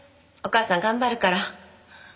お母さん頑張るから。